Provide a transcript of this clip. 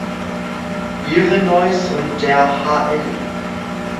Irenäus und der hl.